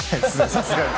さすがに。